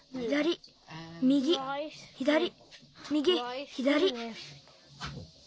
左右左右左。